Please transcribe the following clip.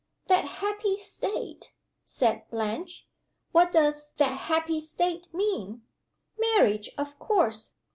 "'That happy state,'" said Blanche. "What does 'that happy state' mean? Marriage, of course!